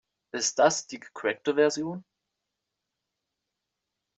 Ist das die gecrackte Version?